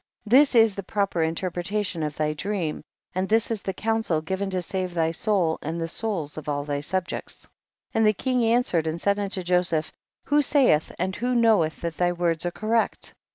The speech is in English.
61. This is the proper interpreta tion of thy dream, and this is the counsel given to save thy soul and the souls of all thy subjects. 62. And the king answered and said unto Joseph, who sayeth and who knoweth that thy words are correct